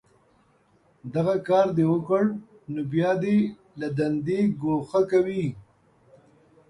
که دغه کار دې وکړ، نو بیا دې له دندې گوښه کوي